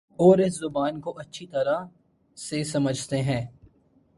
اور اس زبان کو اچھی طرح سے سمجھتے ہیں